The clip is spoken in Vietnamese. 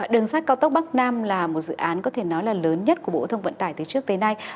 đường sắt cao tốc bắc nam là một dự án có thể nói là lớn nhất của bộ thông vận tải từ trước tới nay